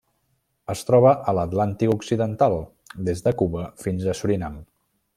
Es troba a l'Atlàntic occidental: des de Cuba fins a Surinam.